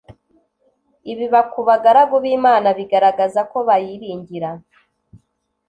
Ibiba ku bagaragu b'Imana bigaragaza ko bayiringira